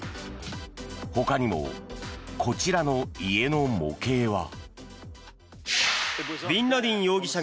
ほかにもこちらの家の模型は。